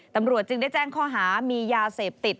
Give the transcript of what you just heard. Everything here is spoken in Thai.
ตำรวจจึงได้แจ้งข้อหามียาเสพติด